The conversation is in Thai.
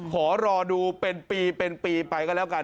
ขอรอดูเป็นปีไปก็แล้วกัน